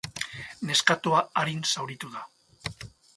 Neskatoa arin zauritu da.